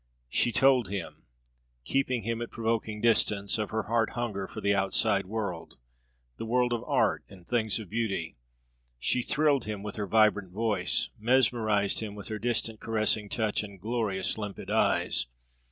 She told him, keeping him at provoking distance, of her heart hunger for the outside world, the world of art and things of beauty. She thrilled him with her vibrant voice, mesmerized him with her distant, caressing touch and glorious, limpid eyes.